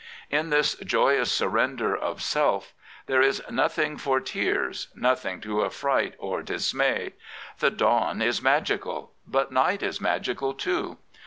In this joyous surrender of self there is nothing for tears, nothing to affright or dismay. The dawn is magical, but night is magical too.